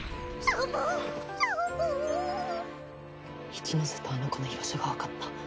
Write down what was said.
一ノ瀬とあの子の居場所がわかった。